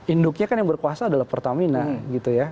induknya kan yang berkuasa adalah pertamina gitu ya